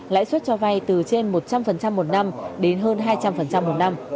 lãi suất cho vay từ trên một trăm linh một năm đến hơn hai trăm linh một năm